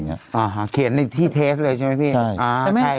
อ่าฮ่าเขียนที่เทสเลยใช่มั้ยพี่